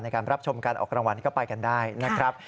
ในการรับชมการออกกำลังวัลนี่ก็ไปกันได้นะครับ